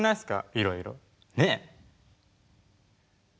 いろいろねえ？